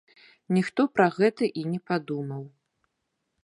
Ніхто пра гэта і не падумаў.